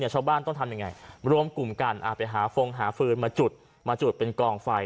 ชาวบ้านต้องทำยังไงรวมกลุ่มกันไปหาฟงหาฟืนมาจุดมาจุดเป็นกองไฟ